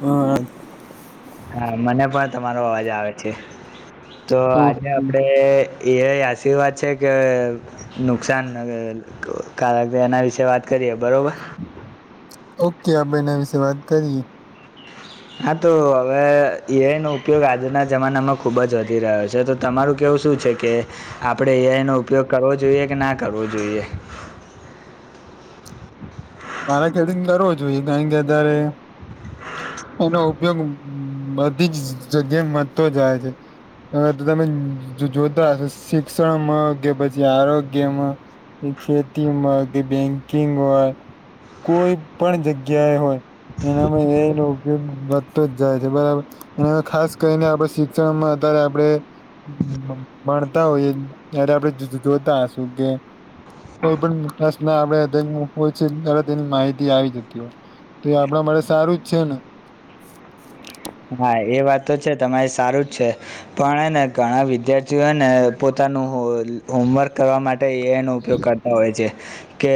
હ હા. હા મને પણ તમારો અવાજ આવે છે, તો આજે ઓકે આપડે એઆઈ આશીર્વાદ વાત છે કે નુકસાન અ કાલ આપે એના વિશે વાત કરીએ બરોબર. ઓકે, આપે એના વિશે વાત કરીએ. હા તો હવે એઆઈનો ઉપયોગ આજના જમાનામાં ખૂબ જ વધી રહ્યો છે, તો તમારું કેવું શું છે કે આપડે એઆઈ નો ઉપયોગ કરવો જોઈએ કે ના કરવો જોઈએ? મારે ખેતીંગ કરવો જોઈએ કારણ કે અત્યારે એનો ઉપયોગ બધી જ જગ્યાએ વધતો જાય છે. હવે તો તમે જ જોતા હશો શિક્ષણમાં કે પછી આરોગ્યમાં ખેતીમાં કે બેંકિંગ હોય કોઈ પણ જગ્યા એ હોય એનામાં એઆઈનો ઉપયોગ વધતો જ જાય છે બરાબર. અને ખાસ કરીને આપડે શિક્ષણમાં અત્યારે આપડે ભણતા હોઈએ ત્યારે આપડે જ જ જોતા હશુ કે કોઈ પણ પ્રશ્ન આવે તો એને પૂછીન તરત તેની માહિતી આવી જતી હોય, તો એ આપડા માટે સારું જ છેન. હા એ વાત તો છે તમારી સારું જ છે. પણ હેને ઘણા વિદ્યાર્થીઓ હેને પોતાનું હો હોમવર્ક કરવા મા ટે એઆઈ નો ઉપયોગ કરતા હોય છે કે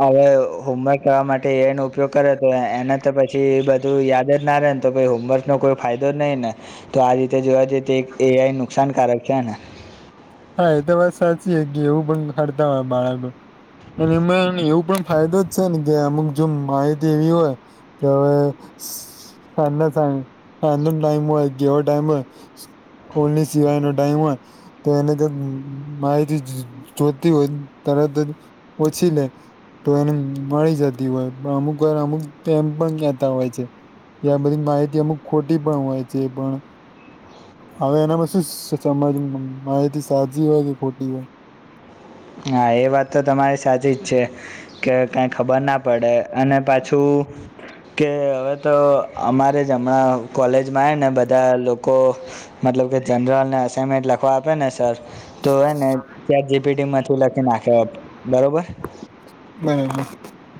હવે હોમવર્ક કરવા માટે એઆઈ નો ઉપયોગ કરે તો એને તો પછી બધું યાદ જ ના રેન. તો પહી હોમવર્કનો કોઈ ફાયદો જ નહીં ને તો આ રીતે જોવા જઈએ તો એક એઆઈ નુકસાનકારક છે ને. હા એ તો વાત સાચી કે એવું પણ કરતા હોય બાળકો અને એમાં એવું પણ ફાયદો જ છે ને કે અમુક જો માહિતી એવી હોય કે સ ટાઈમ હોય જેવ ટાઈમ હોય કોલની સિવાય નો ટાઈમ હોય તો એને માહિતી જોતી હોય તરત જ ઓછી લે તો એને મળી જતી હોય પણ અમુક વાર અમુક એમ પણ કેતા હોય છે ત આ બધી માહિતી અમુક ખોટી પણ હોય છે એ પણ હવે એનામાં શું સમજ માહિતી સાચી હોય કે ખોટી હોય હા એ વાત તો તમારી સાચી જ છે કે કઈ ખબર ના પડે અને પાછું કે હવે તો અમારે જ હમણાં કોલેજમાં હ ને બધા લોકો મતલબ કે જનરલ ને અસાઇનમેન્ટ લખવા આપે ને સર તો હ ને ચેટ જીપીટી માંથી લખી નાખે બરોબર બરાબર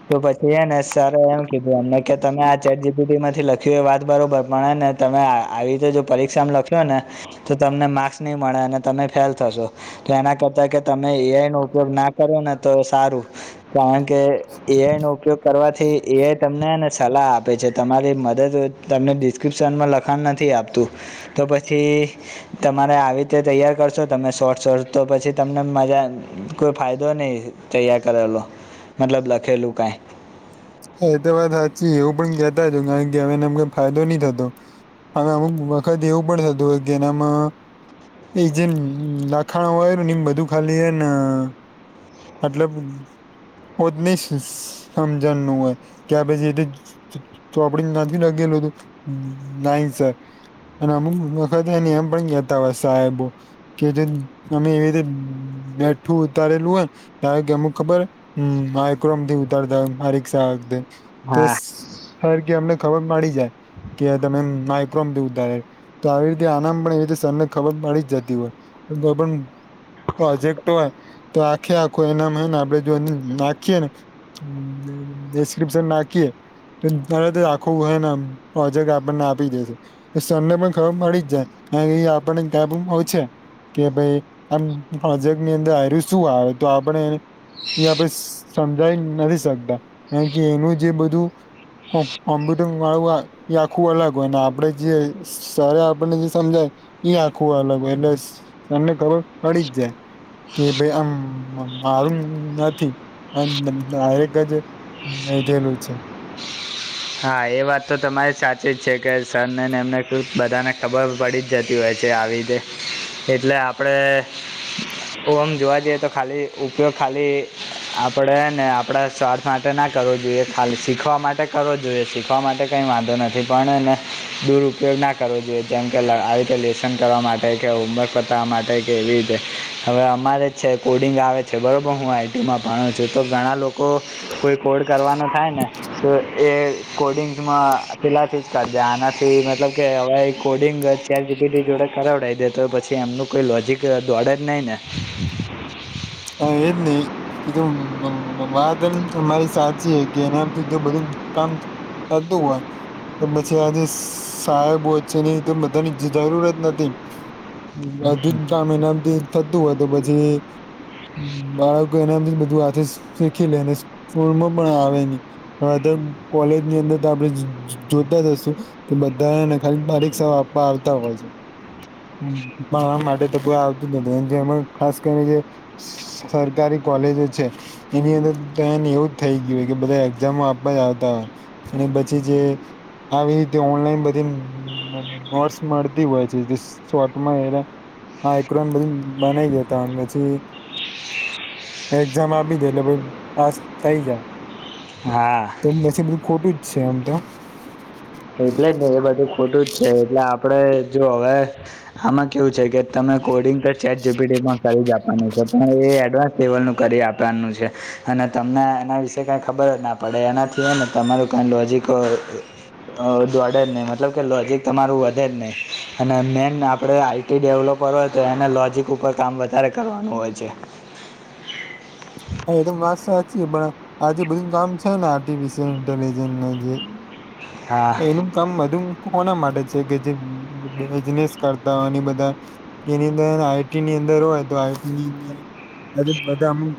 તો પછી એ ને સર એમ કીધું એમને કે તમે આ ચેટ જીપીટી માંથી લખ્યું એ વાત બરોબર પણ એ ને તમે આવી રીતે જો પરીક્ષામ લખ્યો ને તો તમને માર્ક્સ નહી મળે અને તમે ફેલ થશો તો એના કરતા તમે એઆઈ નો ઉપયોગ ના કરો ને તો સારું કારણ કે એઆઈ નો ઉપયોગ કરવાથી એ તમનેને સલાહ આપે છે તમારી મદદ તમને ડિસ્ક્રિપ્શનમાં લખાણ નથી આપતું તો પછી તમારે આવી રીતે તૈયાર કરશો તમે શોટ શોર્ટ તો પછી તમને મજા કોઈ ફાયદો નહી તૈયાર કરલો મતલબ લખેલું કાં હ એ તો વાત સાચી એવું પણ કહેતા હતા કારણ કે એવું કહેવામાં ફાયદો નહી થતો હવે અમુક વખત એવું પણ થતું હોય કેનામાં એ જેમ લાખાણો હોય ને એમ બધું ખાલી ને મતલબ કો જ નહી સમજણ ન હોય કે આ પછી તો આપડ નથી લગેલું હતું ના સર અને અમુક વખતે એ એમ પણ ગતા હોય સાહેબો કે જે અમે એવી રીતે બેઠું ઉતારેલું હોય તાર કે અમુક ખબર હમ [unintelligible] ક્રોમથી ઉતારતા મા ખ સર હા કે [unintelligible] અમને ખબર મળડી જાય કે તમે માઇક્રોમ [unintelligible] તારે તો આવી રીતે આનામ પણ એવી રતે સરને ખબર પડી જ જતી હોય કોઈ પણ હજક્ટું હ તો આખે આખો એનામ હ ને આપડે જો નાખીએે ને ડસ્ક્રિપ્શન નાખીએ તોરે આખવું હોય નેજ આપણને આપી દેશે સને પણ ખબર મળી જ જાય આપણને કબ આવ છે કે ભાઈ આમ પ્રોજેક્ટની અંદર આવ્યું શું આવે તો આપડે એ આપણે સમજાઈ નથી શકતા કારણ કે એનું જે બધું [unintelligible] એ આખું અલગ હોય આપડે જે સર આપણને જે સમજાય ઈ આખું અલગ એટલે તમને ખબર પડી જ જાય કે ભાઈ આમ મારું નથી દરેક જ હ એધેલું છે. હા એ વાત તો તમારી સાચી જ છે કે સર નેને એમને બધાને ખબર પડી જતી હોય છે આવી રીતે એટલે આપણે ઓ આમ જોવા જઈએ તો ખાલી ઉપયોગ ખાલી આપણેે ને આપણા સ્વાર્થ માટે ના કરવો જોઈએ ખાલી શીખવા માટે કરવો જોઈએ જોઈએ શીખવા માટે કંઈ વાંધો નથી પણ એને દુરુપયોગ ના કરવો જોઈએ જે આવી રીતે લેસન કરવા માટે કે હોમવર્ક બતાવવા માટે કે એવી રીતે હવે અમારે છે કોડિંગ આવે છે બરોબર હું આઈટીમાં ભણું છું તો ઘણા લોકો કોઈ કોડ કરવાનો થાય ને તો એ કોડિંગમાં પેલાથી જ કરજ આનાથી મતલબ કે હવે કોડિંગ જ તાર જુગી જોડે કરાવડાવી દે તો પછી એમનું કોઈ લોજક દોડે જ નહી ને હ એ જ નહી એ તો વાત મારી સાચી કે એનામથી જો બધું કામ એધું હો તો પછી આજે સાહેબો છે ની તો બધાની જરૂરત નથી. બધુ જ ગામે નામથી થતું હોય તો પછી બાળકો એનાથી બધું હથે શીખી લે અને સ્કૂલમાં પણ આવે નહી. હા કોલેજ ની અંદર તો આપડણે જોતા જશું? કે બધાને ખાલી બારીક સવા આપવા આવતા હોય છે. પણ આ માટે તો કો આવતું જ નથી એ જે ખાસ કરીને જે સરકારી કોલેજો છે. એની અંદર તન એવું જ થઈ ગયું હો કે બધા એક્ઝામો આપવા જ આવતા હોય. અને પછી જે આવી રીતે ઓનલાઈન બધી નોટ્સ મળતી હોય છે. શોટમાં એલે હક્રોની બનાઈ જતા પછી એક્ઝામ આપી દે એટલે ભાઈ પાસ થઇ જાય હા ન બધું ખોટું જ છે આમ તો એટલે જ ને એ બધું ખોટું જ છે એટલે આપડે જો હવે આમાં કેવું છે કે તમે કોડિંગ કરશે જીબીડીમાં કરી જ આપવાનું છે પણ એ એડવાન્સ લેવલ નું કરી આપવાનું છે. અને તમને એના વિશે કઈ ખબર ના પડે એનાથી ને તમારું કઈ લોજિક અ દોડે જ નહી મતલબ કે લોજિક તમારું વધે જ નહી અને મેન આપડે આ ી ડેવલોપર હોય તો એને લોૉજિક ઉપર કામ વધારે કરવાનું હોય છે. હા એ તો માસ અચ એ પણડા આજ બધું કામ છે ને આર્ટિફિસયલ ઇન્ટેલજન્સ જે હા એનું કામ બધું કોના માટે છે કે જે બિઝનેસ કરતા બધા એની અંદર આઈટી ની અંદર હોય તો આઈઈટીની અંદર બધા અમુક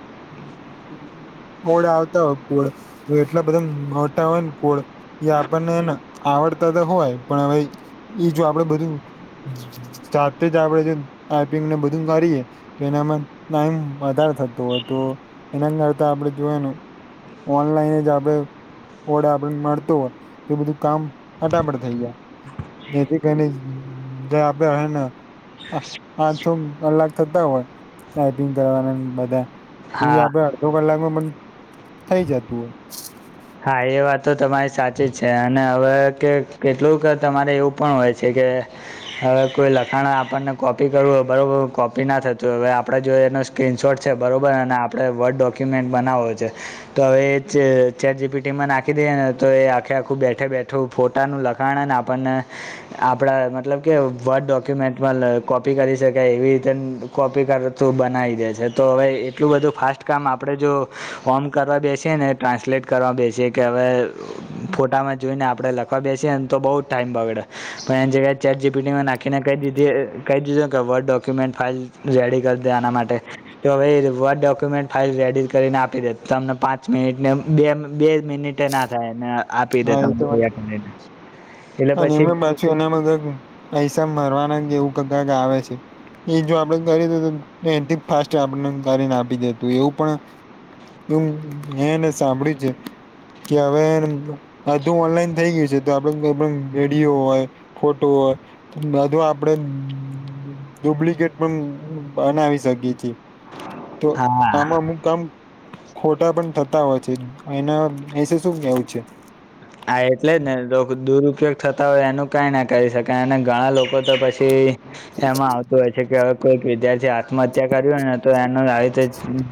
કોળ આવતા હોય કોળ એટલા બધા મોતા હોય ને કોળ એ આપણને આવડતા તો હોય પણ હવે ઈ જો આપડે બધું જાતે જ આપડે આપિંગને બધું કરીએ તો એનામાં ના એમ વધાર થતો હોય તો એના કરતા આપડે જોય. ઓનલાઈને જાવ ઓડા આપ મળતો હોય તો બધું કામ અટાપટ થઈ જાય. જેથી કરીને જે આપડે રહે ને આ છો કલાક થતા હોય ટાઈપિંગ કરવાના બધા હા આપડે અડધો કલાકમાં પણ થઇ જતું હોય. હા એ વાત તો તમારી સાચી જ છે અને હવે કે કેટલુંક તમારે એવું પણ હોય છે કે હવે કોઈ લખાણ આપણને કોપી કરવું હોય બરોબર કોપી ના થતું હવે આપડે જે એને સ્ક્રીન શોર્ટ છે બરાબર અને આપડે વર્ડ ડોક્યુમેન્ટ બનાવવો છે તો હવે એ જે ચેટ જી પી ટી માં નાખી દઈએ ને તો એ આખે આખું બેઠે બેઠું ફોટાનું લખાણને આપણને આપડા મતલબ કે વર્ડ ડોક્યુમેન્ટમાં અહ કોપી કરી શકાય એવી રીતે કોપી કરતું બનાવી દે છે તો હવે એટલું બધું ફાસ્ટ કામ આપડે જો ફોર્મ કરવા બેસે ને ટ્રાન્સલેટ કરવા બેસી કે હવે ફોટામાં જોઈને આપડે લખવા બેસીએને તો બહુ ટાઈમ બગડે. પણ એની જગ્યાએ ચેટ જી પી ટી માં નાખીને કઈ દીધી અહ કઈ દીધી કે વર્ડ ડોક્યુમેન્ટ ફાઇલ રેડી કર દે આના માટે તો હવે એ વર્ડ ડોક્યુમેન્ટ ફાઇલ રેડી કરીને આપી દે તમને પાંચ મિનિટને બે બે મિનિટ ટે ના થાય ને આપી દે હા એ તો વાત છે. તમને [inaudible] એટલે અને પછી એમાં પાછું એનામાં કઈ પૈસા મરવાના એવું કાંઈક આવે છે. એ જો આપડે કરી તો એથી ફાસ્ટ આપ કરીને આપી દેતું એવું પણ એવ એ એને સાંભળ્યું છે. કે હવે અધુ ઓનલાઈન થઈ ગયું છે તો આપડે એ વિ-વિડીયો હોય ફોટો હોય બધો આપડે ડુપ્લિકેટ પણ બનાવી શકી છીએ. તો હા આમાં હું કામ ખોટા પણ થતા હોય છે. એના વિશે શું કેવું છે? આ એટલે જ ને દુરુપયોગ થતા હોય એનું કંઈ ના કરી શકાય અને ઘણા લોકો તો પછી એમાં આવતું હોય છે કે હવે કોઈક વિદ્યાર્થી આ ત્માહત્યા કર્યું ને તો એનું ર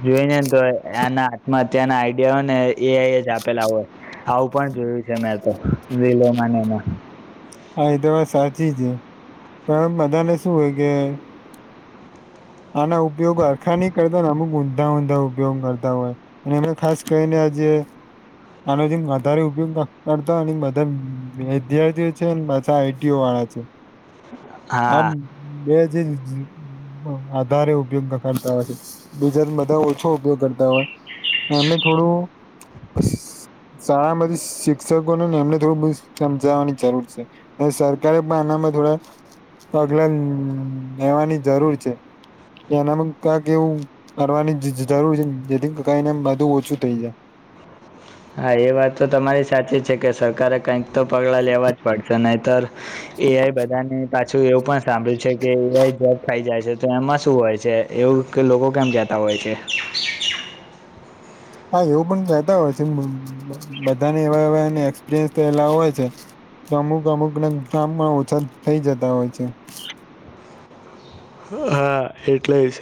જોઈ નેને તો એના માં ત્યાંના આઈડિયાઓ ને એ આઈ એ જ આપેલા હોય આવું પણ જોયું છે મેં તો વિલો માન એમાં. હા, એ તો વાત સાચી છે. પણ બધાને શું હોય કે આના ઉપયોગ આરખા નની કરતા હોને અમુક ઊંધા ઊંધા ઉપયોગ કરતા હોય. અને એમે ખાસ કહીને આ જે આનોથી વધારે ઉપયોગ કરતો અને બધા વિધ્યાર્થીઓ છે બછા આઈ ટી ઓ વાળા છે આમ હા બે જે જે વધારે ઉપયોગ કરતા હોય છે બીજા બધા ઓછો ઉપયોગ કરતા હોય. અમને થોડું અશ શાણા બધી શિક્ષકોને ને એમને થોડું બસ સમજાવાની જરૂર છે. ને સરકારે પણ આનામાં થોડા પગલા લેવાની જરૂર છે. કે એનામાં ક્યાંક એવું કરવાની જરૂર છે જેથી કઈને બધું ઓછું થઇ જાય. હા, એ વાત તો તમારી સાચી છે કે સરકારે કઈક તો પગલા લેવા જ પડશે નહીતર એ આઈ બધાને પાછું એવું પણ સાંભળ્યું છે કે એ આઈ જોબ ખાઈ જાય છે. તો એમાં શું હોય છે એવું કે લોકો કેમ કતા હોય છે? હા, એવું પણ કતા હોય છે બધાને એવા એવા એક્સપિરિયન્સ થયલા હોય છે. તો અમુક અમુક ના ગામમાં ઓછા થઇ જતા હોય છે. હા, એટલે જ.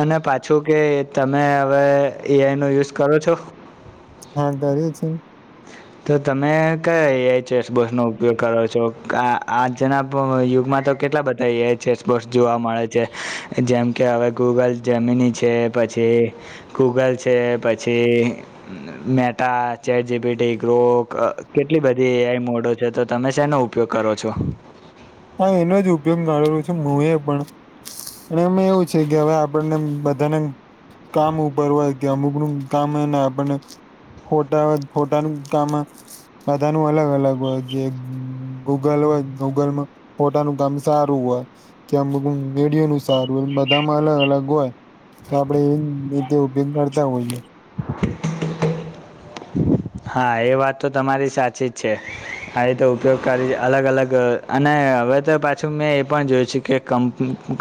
અને પાછું કે તમે હવે એ આઈ નો યુઝ કરો છો? હા, ડરે છે. તો તમે કયા એ એ આઈ ચેસ બોસનો ઉપયોગ કરો છો આ-આજના યુગમાં તો કેટલા બધા તો એ આઈ છે સ્પોર્ટ્સ જોવા મળે છે જેમ કે હવે ગૂગલ જમીની છે પછી ગૂગલ છે પછી Meta, chat G P T તો ક કેટલી બધી મોડો છે. તો તમે શેનો ઉપયોગ કરો છો? હા, એનો જ ઉપયોગ મા્યો છું હું એ પણ અને એમાં એવું છે કે હવે આપણને બધાને કામ ઉપર હોય કે અમુકું કામ ને આપણને હોટા હોટા ને કામ આ બધા નું અલગ અલગ હોય ગે ગૂગલ હોય ગૂગલમાં ફોટાનું કામ સારું હોય કે અમ મેડીયો ન સારું હોય બધામાં અલગ અલગ હોય. તો આપડે એ રીતે ઉપયોગ કરતા હોય ને હા એ વાત તો તમારી સાચી જ છે આવી રીતે ઉપયોગકારી અલગ અલગ અને હવે તો પાછું મેં એ પણ જોયું છેું કે કં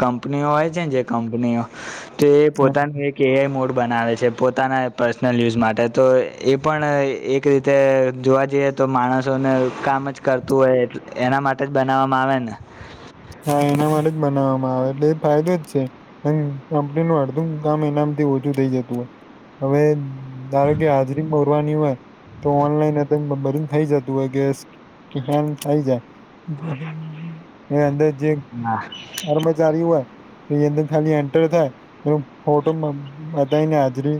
કંપનીઓ હોય છે ને જે કંપનીઓ તે પોતાને એક કે એ મોડ બનાવે છે પોતાના પર્સનલ યુઝ માટે તો એ પણ એક રીતે જોવા જઈએ તો માણસોને કામ જ કરતું હોય એના માટે જ બનાવવામાં આવે ને હા એના માટે જ બનાવવામાં આવે એટલે એ ફાયદે જ છે. હ કંપની નું અડધું કામ એનામથી ઓછું થઇ જતું હોય હવે ધારો કે હાજરી પૂરવાની હોય તો ઓનલાઈન બધું થઇ જતું હોય કે કે હ્યાલ થાય જાય એ અંદર જે નાહ જારી હોય. એ અંદર ખાલી એન્ટર થાય એ ફોટો બતાાય ને હાજરી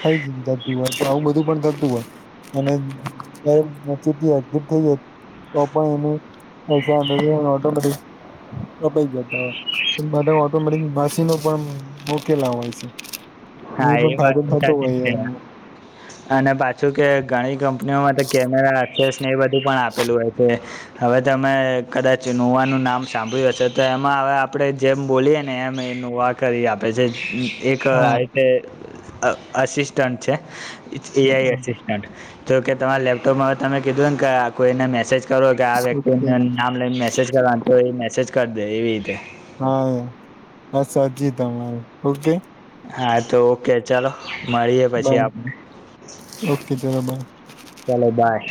થઈ જતું હોય તો આવું બધું પણ થતું હોય. અને ચૂટીટ થઈ તોપ ઈને પૈસા નોટો નથી કપાઈ જતા હોય બધા ઓટોમેટિક મશીનો પર મૂકેલા હોય છે. એ હા પણ વાત ફાયદો તો થતો સાચી જ હોય છે એમાં અને પાછું કે ઘણી કંપનીઓમાં તો કેમેરા છેને એ બધું પણ આપેલું હોય છે. હવે તમે કદાચ નુવાનું નામ સાંભળ્યું હશે તો એમાં હવે આપણે. જેમ બોલીએ ને એમ એ નુંવા કરી આપે છે એક હા આતે અસિસ્ટન્ટ છે એઆઈ હા અસસ્ટ તો કે તમારા લેપટોપમાં તમે કીધું ને કે કોઈને મેસેજ કરો. કે આ ઓકે વ્યક્તિને નામ લઈને મેસેજ કરવાનું તો એ મેસેજ કરી દે એવી રીતે. હા સાજી તમારે ઓકે. હા તો ઓકે ચાલો મળીએે પછી બાય આપ ઓકે ચલો બાય ચાલો બાય.